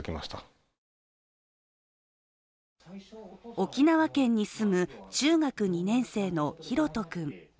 沖縄県に住む中学２年生のひろと君。